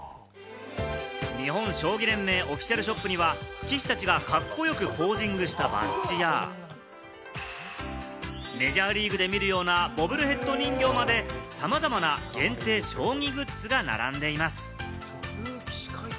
日本将棋連盟オフィシャルショップには棋士たちがカッコよくポージングしたバッジや、メジャーリーグで見るようなボブルヘッド人形まで、さまざまな限定将棋グッズが並んでいます。